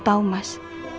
kamu tau mas